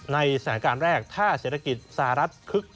ในสถานการณ์แรกถ้าเศรษฐกิจสหรัฐคึก